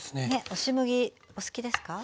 押し麦お好きですか？